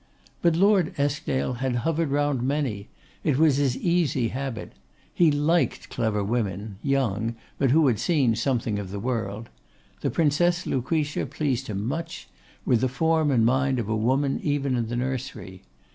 But Lord Eskdale had hovered round many; it was his easy habit. He liked clever women, young, but who had seen something of the world. The Princess Lucretia pleased him much; with the form and mind of a woman even in the nursery.